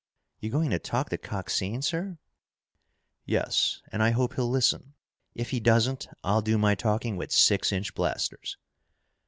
"You going to talk to Coxine, sir?" "Yes. And I hope he'll listen. If he doesn't, I'll do my talking with six inch blasters!"